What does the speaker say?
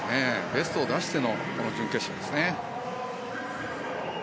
ベストを出してのこの準決勝ですね。